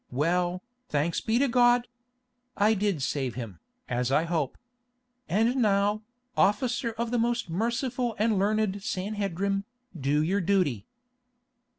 Well, thanks be to God! I did save him, as I hope. And now, officer of the most merciful and learned Sanhedrim, do your duty."